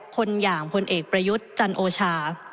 คนอย่างพลเอกประยุทธ์จันโอชา